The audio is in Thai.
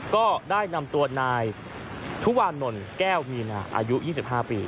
ก็ได้นำตัวนายทุวานนท์แก้วมีนาอายุ๒๕ปี